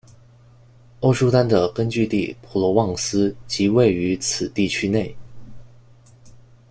欧舒丹的根据地普罗旺斯即位于此地区内。